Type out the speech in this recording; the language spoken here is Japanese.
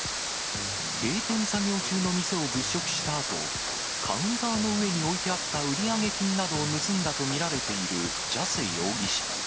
閉店作業中の店を物色したあと、カウンターの上に置いてあった売上金などを盗んだと見られているジャセ容疑者。